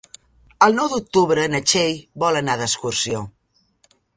El nou d'octubre na Txell vol anar d'excursió.